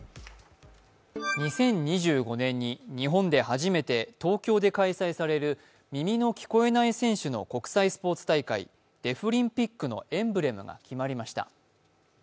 ２０２５年に日本で初めて東京で開催される、耳の聞こえない選手の国際スポーツ大会、デフリンピックのエンブレムが決まりました。